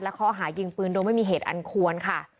ข้อหายิงปืนโดยไม่มีเหตุอันควรค่ะ